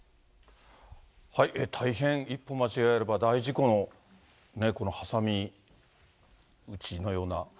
大変、一歩間違えれば大事故の挟み撃ちのような。